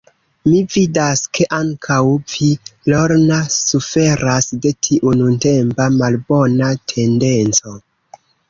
Mi vidas, ke ankaŭ vi, Lorna, suferas de tiu nuntempa, malbona tendenco.